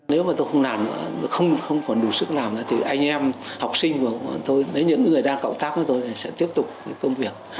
nếu mà tôi không làm không còn đủ sức làm thì anh em học sinh của tôi những người đang cộng tác với tôi sẽ tiếp tục công việc